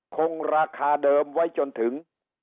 คงราคาเดิมไว้จนถึง